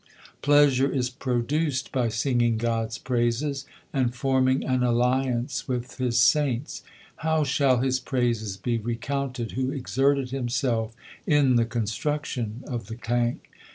Pleasure is produced by singing God s praises and forming an alliance with His saints. How shall his l praises be recounted who exerted himself in the construction of the tank